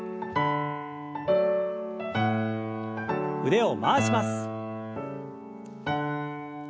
腕を回します。